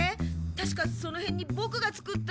たしかそのへんにボクが作った。